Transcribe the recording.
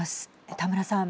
田村さん。